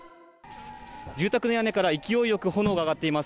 住宅の屋根から勢いよく炎が上がっています。